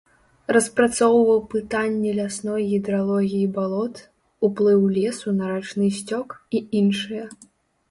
Распрацоўваў пытанні лясной гідралогіі балот, уплыў лесу на рачны сцёк і іншыя.